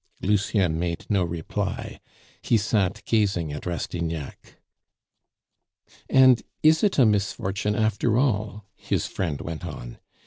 Lucien made no reply; he sat gazing at Rastignac. "And is it a misfortune, after all?" his friend went on.